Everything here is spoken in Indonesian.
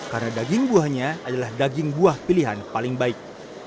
karena daging buahnya adalah daging buah pilihan paling baik